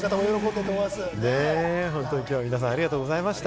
本当に今日は皆さん、ありがとうございました。